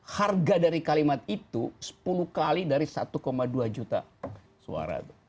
harga dari kalimat itu sepuluh kali dari satu dua juta suara